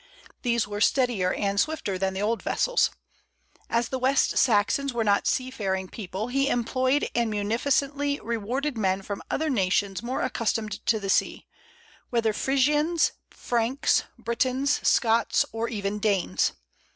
These were steadier and swifter than the older vessels. As the West Saxons were not a seafaring people, he employed and munificently rewarded men from other nations more accustomed to the sea, whether Frisians, Franks, Britons, Scots, or even Danes.